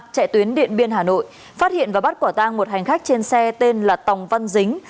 chạy tuyến điện biên hà nội phát hiện và bắt quả tang một hành khách trên xe tên là tòng văn dính